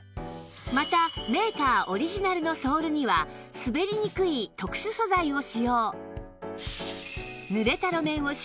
またメーカーオリジナルのソールには滑りにくい特殊素材を使用